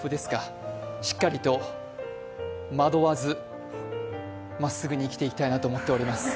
しっかりと惑わず、まっすぐに生きていきたいなと思っております。